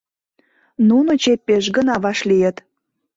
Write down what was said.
Нуно чепеш гына вашлийыт.